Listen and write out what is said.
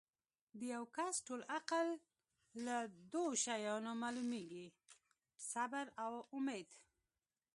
د یو کس ټول عقل لۀ دوه شیانو معلومیږي صبر او اُمید